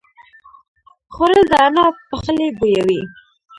خوړل د انا پخلی بویوي